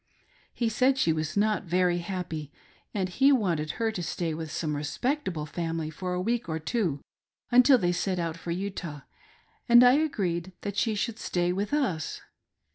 He said she was not very happy, and he wanted her to stay with some respectable family f ot a week* or two until they set out for Utah, and I agreed that she should stay' with us.